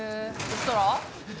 そしたら？